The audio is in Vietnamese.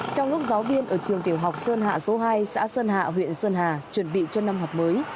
trong lúc giáo viên ở trường tiểu học sơn hạ số hai xã sơn hạ huyện sơn hà chuẩn bị cho năm học mới